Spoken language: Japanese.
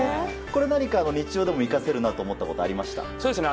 何か日常でも生かせるなと思ったことはありますか？